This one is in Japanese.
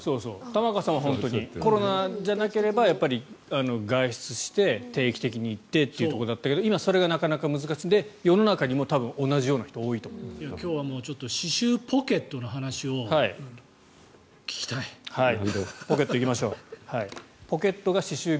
玉川さんはコロナじゃなければ外出して、定期的に行ってというところだったけど今、それがなかなか難しいので世の中にも多分、同じような人が今日は歯周ポケットの話をポケット、行きましょう。